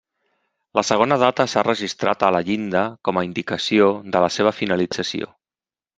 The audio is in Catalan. La segona data s'ha registrat a la llinda com a indicació de la seva finalització.